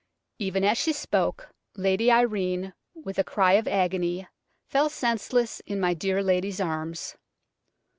Even as she spoke Lady Irene, with a cry of agony, fell senseless in my dear lady's arms.